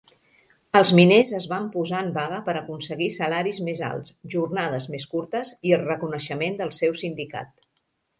Els miners es van posar en vaga per aconseguir salaris més alts, jornades més curtes i el reconeixement del seu sindicat.